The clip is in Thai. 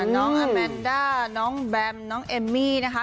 น้องอาแมนด้าน้องแบมน้องเอมมี่นะคะ